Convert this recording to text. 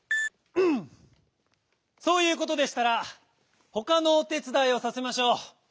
そういうことでしたらほかのおてつだいをさせましょう。